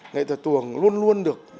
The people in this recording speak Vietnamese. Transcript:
nghệ thuật tuồng luôn luôn được